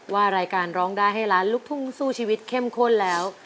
รายการร้องได้ให้ล้านลูกทุ่งสู้ชีวิตเข้มข้นแล้ว